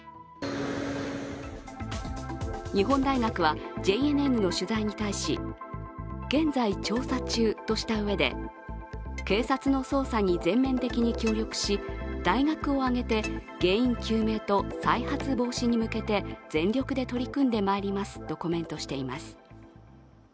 日本大学はＪＮＮの取材に対し現在調査中としたうえで警察の捜査に全面的に協力し、大学を挙げて原因究明と再発防止に向けて全力で取り組んでまいりますとコメントしています。